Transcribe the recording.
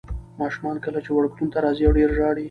ماشومان کله چې وړکتون ته راځي ډېر ژاړي.